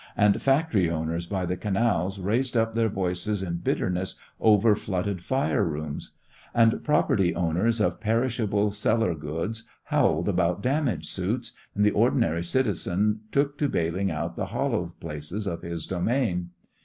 and factory owners by the canals raised up their voices in bitterness over flooded fire rooms; and property owners of perishable cellar goods howled about damage suits; and the ordinary citizen took to bailing out the hollow places of his domain.